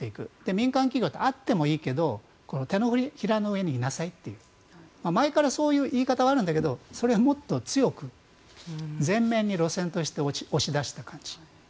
民間企業ってあってもいいけど手の平の上にいなさいという前からそういう言い方があるんだけどそれをもっと強く前面に路線として押し出した感じ。